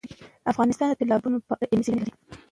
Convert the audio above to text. افغانستان د تالابونه په اړه علمي څېړنې لري.